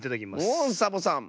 おっサボさん。